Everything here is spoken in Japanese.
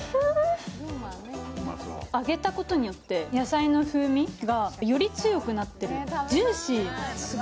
揚げたことによって野菜の風味がより強くなってる。